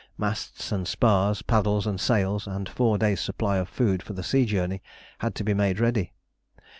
Masts and spars, paddles and sails, and four days' supply of food for the sea journey had to be made ready.